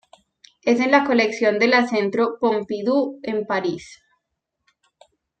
Es en la colección de la Centro Pompidou, en Paris.